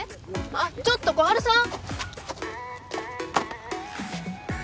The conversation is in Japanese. あっちょっと小春さん？